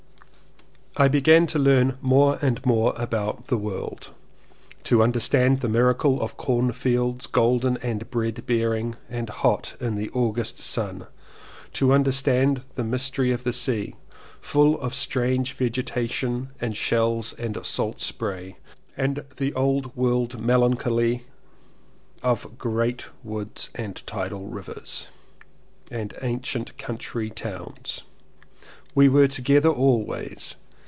I began to learn more and more about the world — to understand the miracle of corn fields golden and bread bearing and hot in the August sun; to understand the mystery of the sea, full of strange vegetation and shells and salt spray; and the old world melancholy of great woods and tidal rivers, and ancient country towns. We were together always.